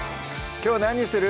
きょう何にする？